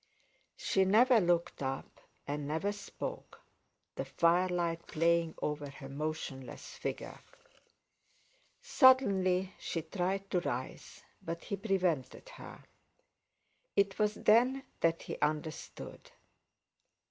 She never looked up, and never spoke, the firelight playing over her motionless figure. Suddenly she tried to rise, but he prevented her; it was then that he understood.